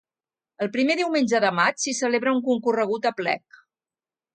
El primer diumenge de maig s'hi celebra un concorregut aplec.